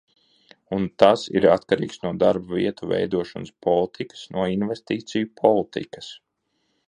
Un tas ir atkarīgs no darba vietu veidošanas politikas, no investīciju politikas.